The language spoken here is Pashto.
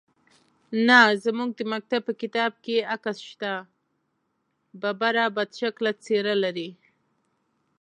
_نه، زموږ د مکتب په کتاب کې يې عکس شته. ببره، بدشکله څېره لري.